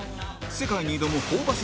世界に挑むホーバス